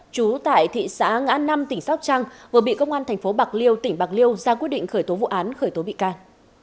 chú tại thị xã ngã năm tỉnh sóc trăng vừa bị công an tp bạc liêu tỉnh bạc liêu ra quyết định khởi tố vụ án khởi tố bị can